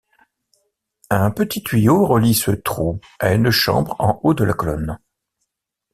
Un petit tuyau relie ce trou à une chambre en haut de la colonne.